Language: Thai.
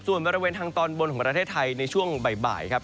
ส่วนบริเวณทางตอนบนของประเทศไทยในช่วงบ่ายครับ